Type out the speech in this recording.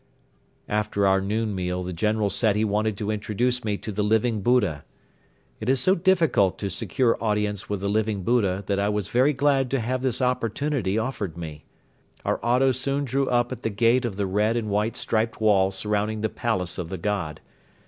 After our noon meal the General said he wanted to introduce me to the Living Buddha. It is so difficult to secure audience with the Living Buddha that I was very glad to have this opportunity offered me. Our auto soon drew up at the gate of the red and white striped wall surrounding the palace of the god.